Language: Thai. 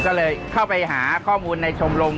ปู่พญานาคี่อยู่ในกล่อง